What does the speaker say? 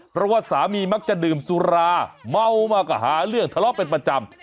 เพราะว่าสามีมักจะดื่มสุราเมามาก็หาเรื่องทะเลาะเป็นประจำ